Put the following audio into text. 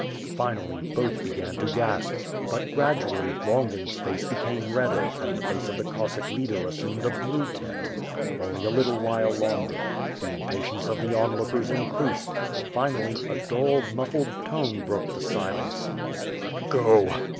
Finally, both began to gasp; but, gradually, Longings face became redder and the face of the Cossack leader assumed a blue tint. Only a little while longer. The impatience of the onlookers increased. Finally, a dull, muffled tone broke the silence. "Let go.'